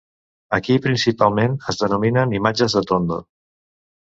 Aquí principalment es denominen imatges de tondo.